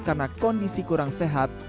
karena kondisi kurang sehat